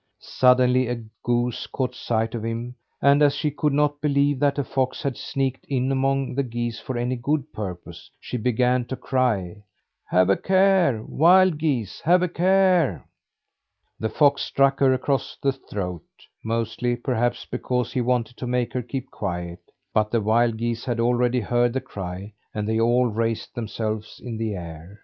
Suddenly a goose caught sight of him; and as she could not believe that a fox had sneaked in among the geese for any good purpose, she began to cry: "Have a care, wild geese! Have a care!" The fox struck her across the throat mostly, perhaps, because he wanted to make her keep quiet but the wild geese had already heard the cry and they all raised themselves in the air.